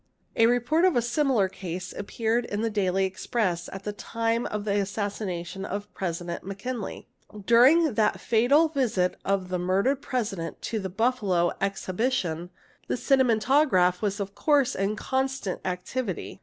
a report of a similar case appeared in the " Daily Express"' at the time he assassination of President Mackinley. During that fatal visit of 'murdered President to the Buffalo Exhibition, the Kinematograph Bbiccourse in constant activity.